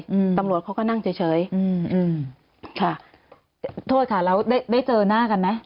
อืมตำรวจเขาก็นั่งเฉยเฉยอืมอืมค่ะโทษค่ะแล้วได้ได้เจอหน้ากันไหม